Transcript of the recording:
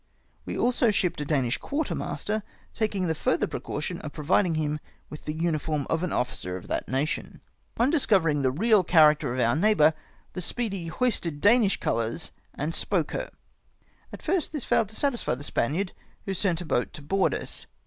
We also shipped a Danish quartermaster, taking the further pre caution of providing him with the uniform of an officer of that nation. On discovering the real character of our neighbour, the Speedy hoisted Danish colours, and spoke her. At first this failed to satisfy the Spaniard, who sent a boat to board us.